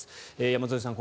山添さん